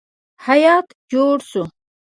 هیات جوړ شو.